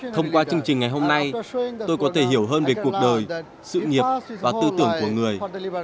thông qua chương trình ngày hôm nay tôi có thể hiểu hơn về cuộc đời sự nghiệp và tư tưởng của người